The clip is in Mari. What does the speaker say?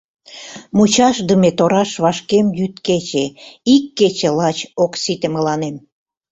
Мучашдыме тораш вашкем йӱд-кече — Ик кече лач ок сите мыланем.